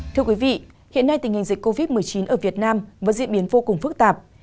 thưa quý vị hiện nay tình hình dịch covid một mươi chín ở việt nam vẫn diễn biến vô cùng phức tạp